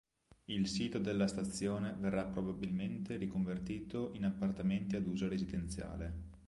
Il sito della stazione verrà probabilmente riconvertito in appartamenti ad uso residenziale.